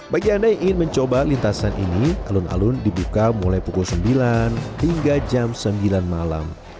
bagi anda yang ingin mencoba lintasan ini alun alun dibuka mulai pukul sembilan hingga jam sembilan malam